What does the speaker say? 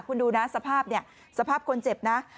คุณดูนะสภาพเนี่ยสภาพคนเจ็บนะ